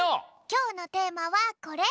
きょうのテーマはこれ！